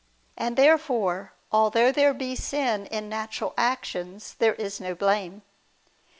And, therefore, although there be sin in natural actions, there is no blame.